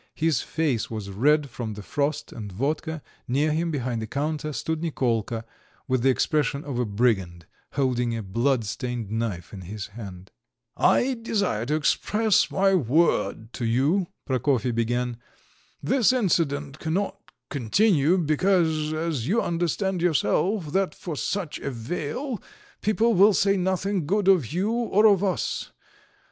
His face was red from the frost and vodka; near him, behind the counter, stood Nikolka, with the expression of a brigand, holding a bloodstained knife in his hand. "I desire to express my word to you," Prokofy began. "This incident cannot continue, because, as you understand yourself that for such a vale, people will say nothing good of you or of us.